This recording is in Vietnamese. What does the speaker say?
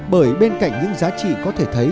bởi bên cạnh những giá trị có thể thấy